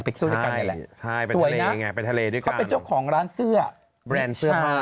ไปเที่ยวด้วยกันอย่างนี้แหละสวยนะเขาเป็นเจ้าของร้านเสื้อแบรนด์เสื้อผ้า